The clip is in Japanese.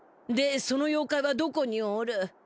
でその妖怪はどこにおる？